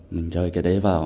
mình chơi cái đấy vào